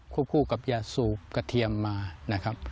คู่กับยาสูบกระเทียมมานะครับ